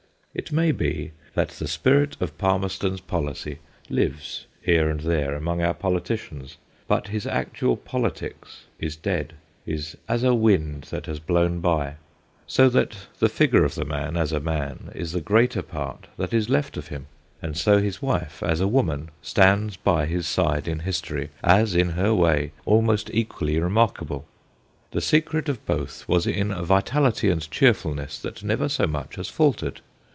It may be that the spirit of Palmerston's policy lives here and there among our politicians, but his actual politics is dead, is as a wind that has blown by, so that the figure of the man, as a man, is the greater part that is left of him, LADY PALMERSTON 133 and so his wife, as a woman, stands by his side in history, as in her way almost equally remarkable. The secret of both was in a vitality and cheerfulness that never so much as faltered.